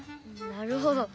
なるほど！